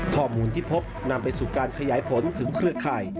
ข้อมูลที่พบนำไปสู่การขยายผลถึงเครือข่าย